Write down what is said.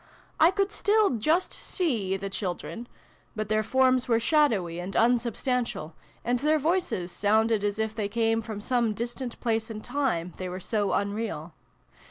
I could still just see the children : but their forms were shadowy and unsubstantial, and their voices sounded as if they came from some distant place and time, they were so unreal.